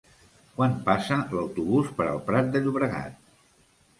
Quan passa l'autobús per el Prat de Llobregat?